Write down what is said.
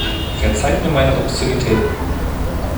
Verzeiht mir meine Obszönitäten.